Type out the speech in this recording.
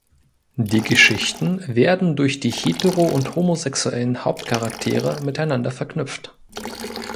Die Geschichten werden durch die hetero- und homosexuellen Hauptcharaktere miteinander verknüpft.